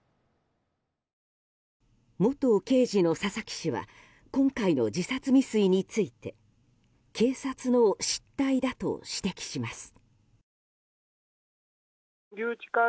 元刑事の佐々木氏は今回の自殺未遂について警察の失態だと指摘します。